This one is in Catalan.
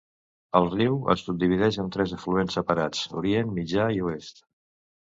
El riu es subdivideix amb tres afluents separats: Orient, Mitjà i Oest.